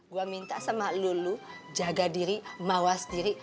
gue minta sama lulu jaga diri mawas diri